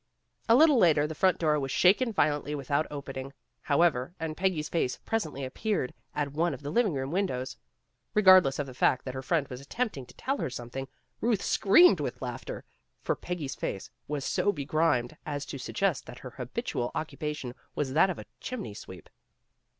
A little later the front door was shaken vio lently without opening, however, and Peggy's face presently appeared at one of the living room windows. Regardless of the fact that her friend was attempting to tell her something, Ruth screamed with laughter, for Peggy's face was so begrimed as to suggest that her habitual occupation was that of a chimney sweep.